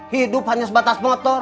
hidup hanya sebatas motor